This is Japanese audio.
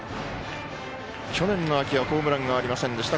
去年の秋はホームランありませんでした